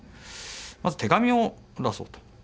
まず手紙を出そうと。